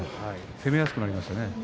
攻めやすくなりましたね。